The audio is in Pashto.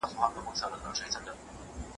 پښتو ته یو نوی او روښانه راتلونکی ورکړه.